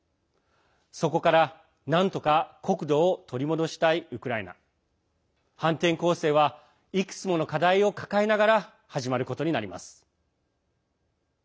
それから、なんとか国土を取り戻したいウクライナ。反転攻勢はいくつもの課題を抱えながら始まることになります。